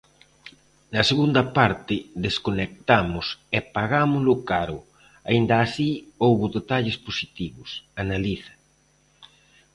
"Na segunda parte desconectamos e pagámolo caro, aínda así houbo detalles positivos", analiza.